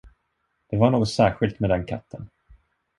Det var något särskilt med den katten.